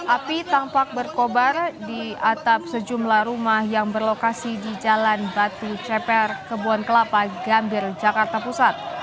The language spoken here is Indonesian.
api tampak berkobar di atap sejumlah rumah yang berlokasi di jalan batu ceper kebon kelapa gambir jakarta pusat